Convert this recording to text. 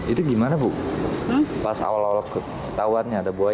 itu gimana bu pas awal awal ketahuannya ada buaya